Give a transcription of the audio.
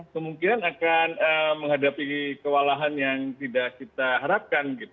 kemungkinan akan menghadapi kewalahan yang tidak kita harapkan